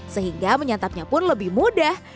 sehingga menyantapnya pun lebih mudah